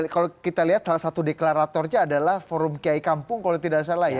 kalau kita lihat salah satu deklaratornya adalah forum kiai kampung kalau tidak salah ya